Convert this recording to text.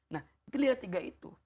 nah itu lihat tiga itu